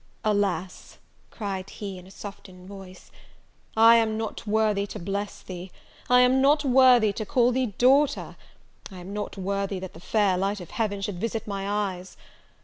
"Alas," cried he, in a softened voice, "I am not worthy to bless thee! I am not worthy to call thee daughter! I am not worthy that the fair light of Heaven should visit my eyes!